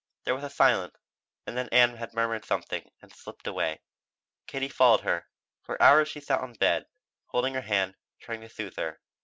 There was a silence, and then Ann had murmured something and slipped away. Katie followed her; for hours she sat by her bed, holding her hand, trying to soothe her.